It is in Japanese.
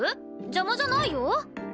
邪魔じゃないよ。